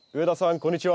こんにちは。